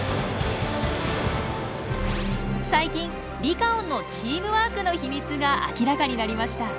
最近リカオンのチームワークの秘密が明らかになりました。